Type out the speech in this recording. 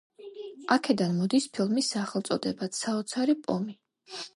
აქედან მოდის ფილმის სახელწოდებაც – „საოცარი პომი“.